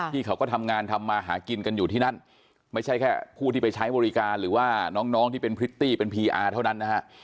เขาก็ทำงานทำมาหากินกันอยู่ที่นั่นไม่ใช่แค่ผู้ที่ไปใช้บริการหรือว่าน้องที่เป็นพริตตี้เป็นพีอาร์เท่านั้นนะฮะ